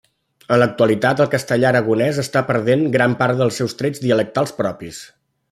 En l'actualitat, el castellà aragonès està perdent gran part dels seus trets dialectals propis.